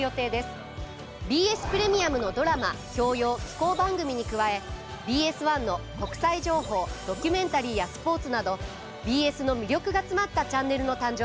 ＢＳプレミアムのドラマ教養紀行番組に加えＢＳ１の国際情報ドキュメンタリーやスポーツなどＢＳの魅力が詰まったチャンネルの誕生です。